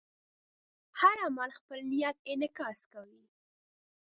هر عمل خپل نیت انعکاس کوي.